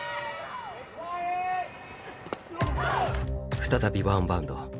再びワンバウンド。